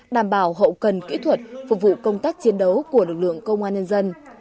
đảm bảo hậu cần kỹ thuật phục vụ công tác chiến đấu của lực lượng công an nhân dân